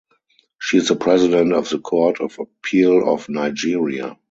She is the President of the Court of Appeal of Nigeria.